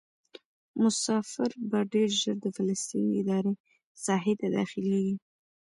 مسافر به ډېر ژر د فلسطیني ادارې ساحې ته داخلیږي.